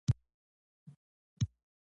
د زیربنا ستونزې حل شوي؟